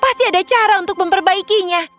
pasti ada cara untuk memperbaikinya